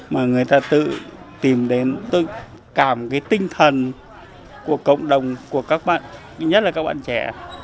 mà người ta tự tìm đến tự cảm cái tinh thần của cộng đồng của các bạn nhất là các bạn trẻ